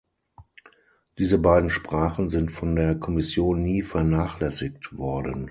Diese beiden Sprachen sind von der Kommission nie vernachlässigt worden.